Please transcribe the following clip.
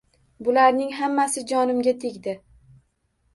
Bularning hammasi jonimga tegdi.